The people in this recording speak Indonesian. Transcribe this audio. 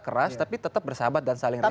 keras tapi tetap bersahabat dan saling